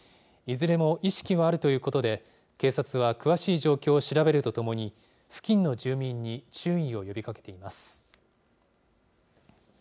いずれも意識はあるということで、警察は詳しい状況を調べるとともに、付近の住民に注意を呼びかけています。